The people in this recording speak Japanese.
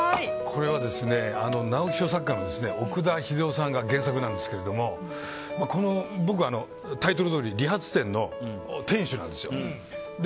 これは直木賞作家の奥田英朗さんが原作なんですけど僕はタイトルどおり理髪店の店主なんですよ。